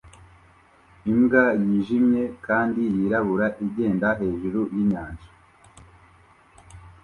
imbwa yijimye kandi yirabura igenda hejuru yinyanja